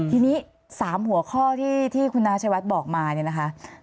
ทีนี้๓หัวข้อที่คุณน้าชายวัดบอกมาเนี่ยนะคะ